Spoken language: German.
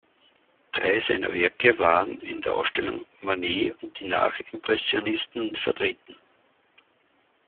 Drei seiner Werke waren in der Ausstellung "Manet und die Nach-Impressionisten" vertreten.